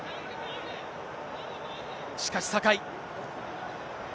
しかし、酒井。